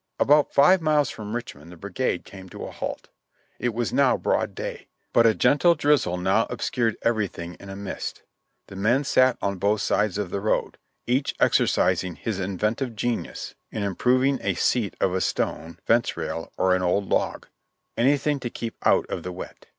About five miles from Richmond the brigade came to a halt; it was now broad day, but a gentle drizzle obscured everything in a mist; the men sat on both sides of the road, each exercising his inventive genius in improving a seat of a stone, fence rail, or an old log, — anything to keep out of the wet.